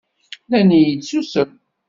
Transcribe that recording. Nnan-iyi-d susem.